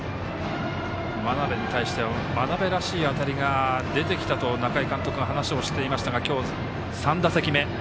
真鍋に対して真鍋らしい当たりが出てきたと中井監督が話をしていましたが今日、３打席目。